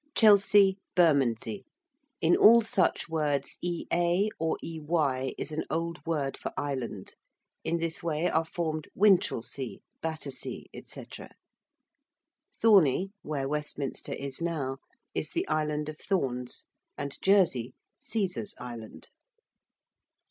~Chelsea, Bermondsey~: in all such words ea or ey is an old word for island. In this way are formed Winchelsea, Battersea, &c. ~Thorney~ (where Westminster is now) is the Island of Thorns; and ~Jersey~, Cæsar's Island.